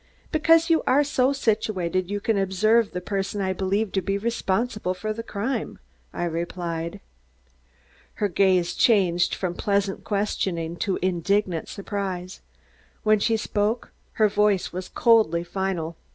"Because you are so situated you can observe the person I believe to be responsible for the crime," I replied. Her gaze changed from pleasant questioning to indignant surprise. When she spoke her voice was coldly final.